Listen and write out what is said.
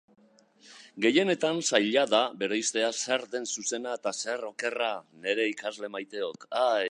Gehienetan zaila da bereiztea zer den zuzena eta zer okerra.